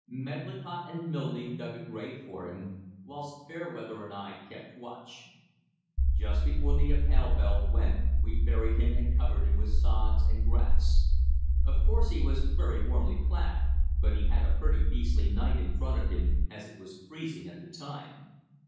Medlicott and Milne dug a grave for him, whilst Fairweather and I kept watch. Just before the Appell bell went we buried him and covered him with sods and grass. Of course he was very warmly clad, but he had a pretty beastly night in front of him, as it was freezing at the time.